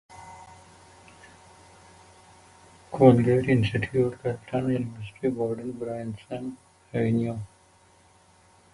Glebe Collegiate Institute and Carleton University border on Bronson Avenue.